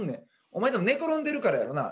お前たぶん寝転んでるからやろな。